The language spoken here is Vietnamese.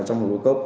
trong hồ đô cốc